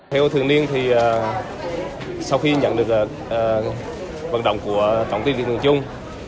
theo thường niên sau khi nhận được vận động của tổng tiên điện thường trung